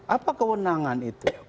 apa kewenangan itu